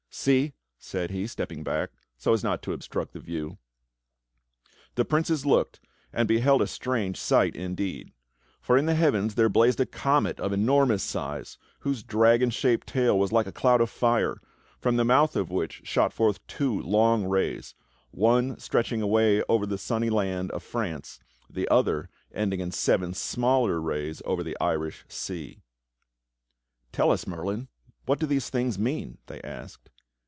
"See!" said he, stepping back so as not to obstruct the view. The princes looked, and beheld a strange sight indeed; for in the heavens there blazed a comet of enormous size, whose dragon shaped tail was like a cloud of fire, from the mouth of which shot forth two 12 HOW ARTHUR WON HIS KINGDOIM 13 long rays, one stretching away over the sunny land of France, the other ending in seven smaller rays over the Irish Sea. ."Tell us. Merlin, what do these things mean.?" they asked.